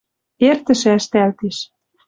Эртӹшӹ ӓштӓлтеш.